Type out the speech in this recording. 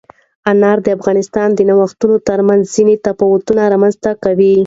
انار د افغانستان د ناحیو ترمنځ ځینې تفاوتونه رامنځ ته کوي.